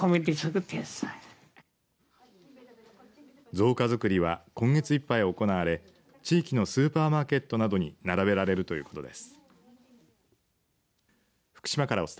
造花づくりは今月いっぱい行われ地域のスーパーマーケットなどに並べられるということです。